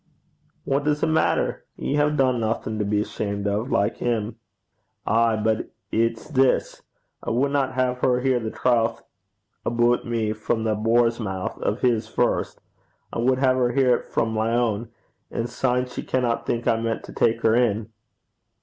'What does 't maitter? Ye hae dune naething to be ashamed o' like him.' 'Ay; but it's this. I wadna hae her hear the trowth aboot me frae that boar's mou' o' his first. I wad hae her hear 't frae my ain, an' syne she canna think I meant to tak her in.'